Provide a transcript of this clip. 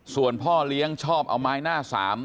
ส่วนพ่อเลี้ยงชอบเอาไม้หน้าสาม